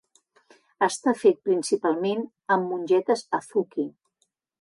Està fet principalment amb mongetes azuki.